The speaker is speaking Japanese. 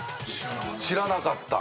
知らなかった。